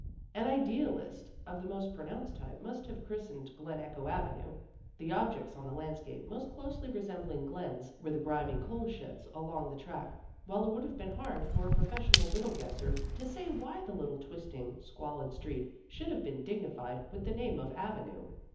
An idealist of the most pronounced type must have christened Glen Echo Avenue. The ob jects on the landscape most closely resembling glens, were the grimy coal sheds along the track, while it would have been hard for a pro fessional riddle guesser to say why the little twisting, squalid street should have been dig nified with the name of avenue.